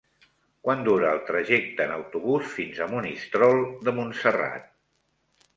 Quant dura el trajecte en autobús fins a Monistrol de Montserrat?